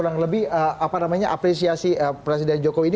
yang lebih apresiasi presiden jokowi ini